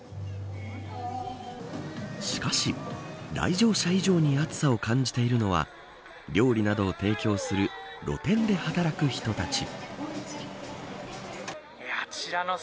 しかし来場者以上に暑さを感じているのは料理などを提供する露店で働く人たち。